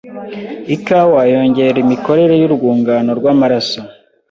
ikawa yongera imikorere y’urwungano rw’amaraso